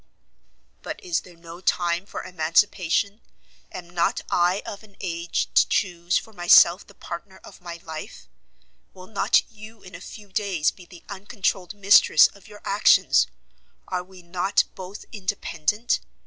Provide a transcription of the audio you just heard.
"But is there no time for emancipation? Am not I of an age to chuse for myself the partner of my life? Will not you in a few days be the uncontrolled mistress of your actions? Are we not both independent?